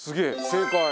正解！